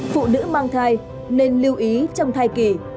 phụ nữ mang thai nên lưu ý trong thai kỳ